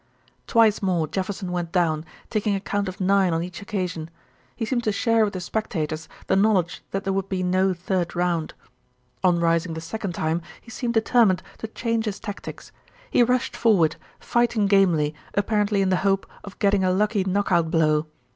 Twice more Jefferson went down, taking a count of nine on each occasion. He seemed to share with the spectators the knowledge that there would be no third round. On rising the second time he seemed determined to change his tactics. He rushed forward, fighting gamely, apparently in the hope of getting a lucky knock out blow.